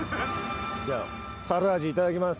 じゃあ猿アジいただきます。